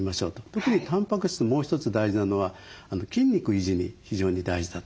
特にタンパク質もう一つ大事なのは筋肉維持に非常に大事だと。